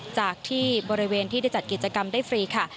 จากที่บริเวณที่ได้จัดกิจกรรมได้ฟรีค่ะ